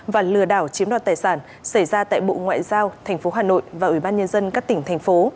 và lừa đảo chiếm đoạt tài sản xảy ra tại bộ ngoại giao tp hà nội và ủy ban nhân dân các tỉnh thành phố